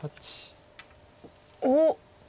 おっ！